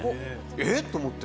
えっ！と思って。